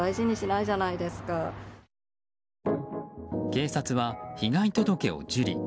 警察は被害届を受理。